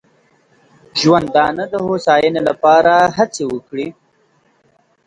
ژوندانه د هوساینې لپاره هڅې وکړي.